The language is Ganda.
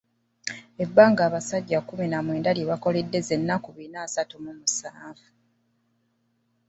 Ebbanga abasajja kkumi na mwenda lye bakoledde ze nnaku bina asatu mu musanvu.